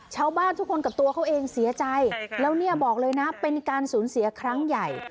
ชาวบ้านทุกคนกับตัวเขาเองเสียใจแล้วเนี่ยบอกเลยนะเป็นการสูญเสียครั้งใหญ่